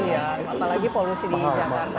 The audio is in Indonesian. iya apalagi polusi di jakarta